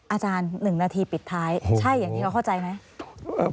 อาจารย์๑นาทีปิดท้ายใช่อย่างที่เราเข้าใจไหม